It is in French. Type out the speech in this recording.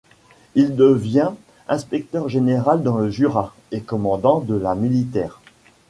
Il devient inspecteur général dans le Jura et commandant de la militaire.